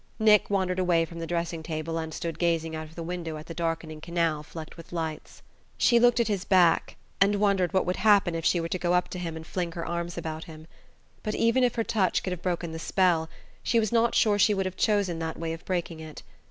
Nick wandered away from the dressing table and stood gazing out of the window at the darkening canal flecked with lights. She looked at his back, and wondered what would happen if she were to go up to him and fling her arms about him. But even if her touch could have broken the spell, she was not sure she would have chosen that way of breaking it.